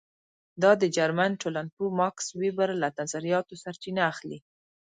دا د جرمن ټولنپوه ماکس وېبر له نظریاتو سرچینه اخلي.